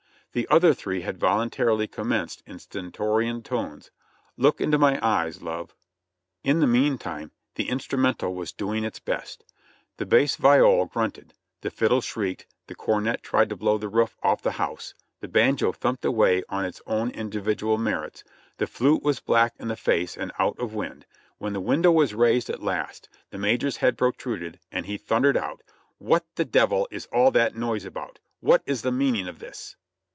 The other three had voluntarilv commenced in stentorian tones, "Look into my eyes, love." In the meantime the instrumental was doing its best. The bass viol grunted, the fiddle shrieked, the cornet tried to blow the root off the house, the banjo thumped away on its own individual merits, the flute was black in the face and out of wind, when the window was raised at last, the Major's head protruded, and he thundered out: "What the devil is all that noise about? A\'hat is the meaning of this?"